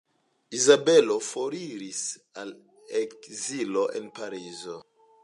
Isabel foriris al ekzilo en Parizo.